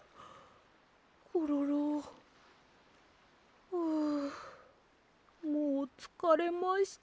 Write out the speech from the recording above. コロロ？はあもうつかれました。